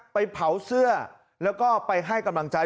ไปเผาเสื้อแล้วก็ไปให้กำลังใจ